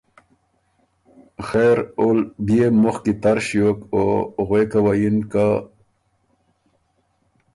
خېر اول بيې مُخکی تر ݭیوک او غوېکَوَیِن که:ـ